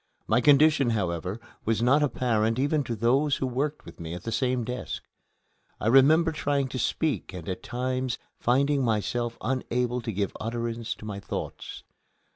My condition, however, was not apparent even to those who worked with me at the same desk. I remember trying to speak and at times finding myself unable to give utterance to my thoughts.